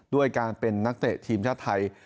ด้วยการเป็นนักเตะทีมชาติไทย